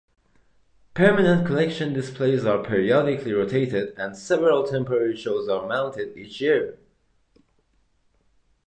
Permanent collection displays are periodically rotated, and several temporary shows are mounted each year.